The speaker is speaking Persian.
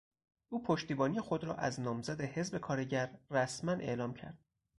او پشتیبانی خود را از نامزد حزب کارگر رسما اعلام کرد.